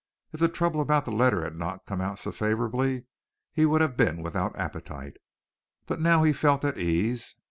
If the trouble about the letter had not come out so favorably he would have been without appetite, but now he felt at ease.